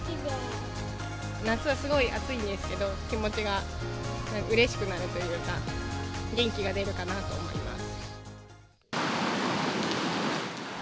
夏はすごい暑いんですが、気持ちがうれしくなるというか、元気が出るかなと思います。